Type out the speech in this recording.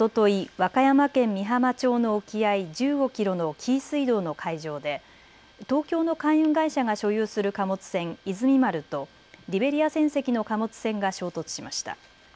和歌山県美浜町の沖合１５キロの紀伊水道の海上で東京の海運会社が所有する貨物船、いずみ丸とリベリア船籍の貨物船が衝突しました。